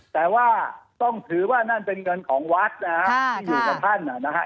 แต่ว่าต้องถือว่านั่นเป็นเงินของวัดนะฮะที่อยู่กับท่านนะฮะ